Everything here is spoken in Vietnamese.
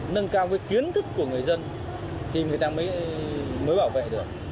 nâng cao cái kiến thức của người dân thì người ta mới bảo vệ được